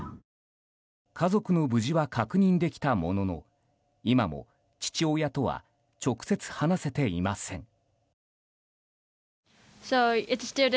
家族の無事は確認できたものの今も父親とは直接話せていません。